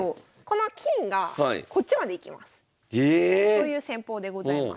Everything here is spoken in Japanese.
そういう戦法でございます。